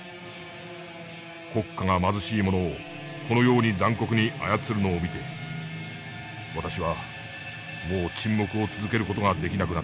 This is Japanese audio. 国家が貧しい者をこのように残酷に操るのを見て私はもう沈黙を続ける事ができなくなったのです」。